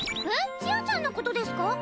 えっちあちゃんのことですか？